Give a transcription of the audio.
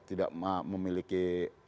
ya tidak memiliki perbuatan tercelana